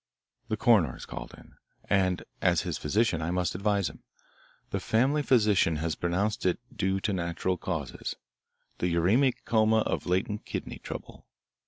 "The coroner is called in, and, as his physician, I must advise him. The family physician has pronounced it due to natural causes, the uremic coma of latent kidney trouble.